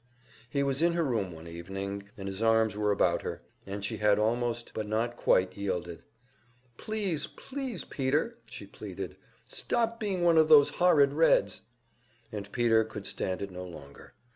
He was in her room one evening, and his arms were about her, and she had almost but not quite yielded. "Please, please, Peter," she pleaded, "stop being one of those horrid Reds!" And Peter could stand it no longer.